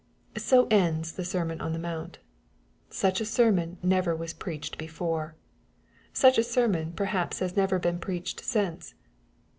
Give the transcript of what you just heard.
So ends the sermon on the mount. Such a sermon never was preached before. Such a sermon perhaps has never been preached since.